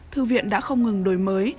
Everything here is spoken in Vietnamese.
thư viện đã không ngừng đổi mới